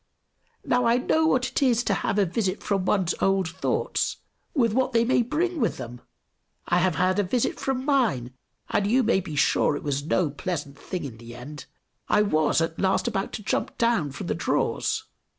Now, I know what it is to have a visit from one's old thoughts, with what they may bring with them! I have had a visit from mine, and you may be sure it is no pleasant thing in the end; I was at last about to jump down from the drawers.